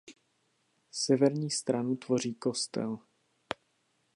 Severní stranu tvoří kostel.